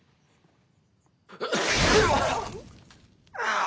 ああ！